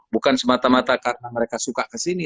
bukan semata mata karena mereka suka ke sini